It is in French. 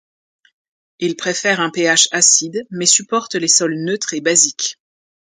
Il préfère un pH acide mais supporte les sols neutres et basiques.